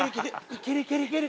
いけるいけるいける。